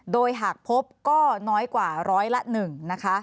โดยหากพบก็น้อยกว่าร้อยละ๑นะคะ